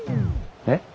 えっ？